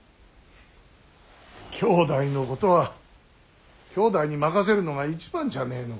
兄弟のことは兄弟に任せるのが一番じゃねえのかな。